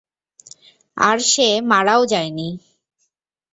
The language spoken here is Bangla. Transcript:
আর সে মারাও যায়নি।